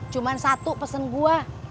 cuma satu pesen gue